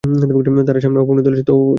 তার সামনে অপমানিত হযলে, তবেই সে সুদরাবে।